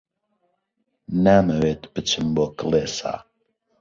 نامەوێت بچم بۆ کڵێسا.